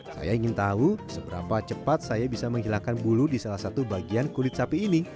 saya ingin tahu seberapa cepat saya bisa menghilangkan bulu di salah satu bagian kulit sapi ini